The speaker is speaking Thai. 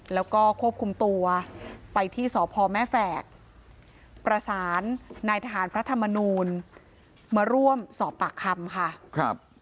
แล้วก็ควบคุมตัวไปที่สพแม่แฝกประสานนายทหารพระธรรมนูลมาร่วมสอบปากคำค่ะครับ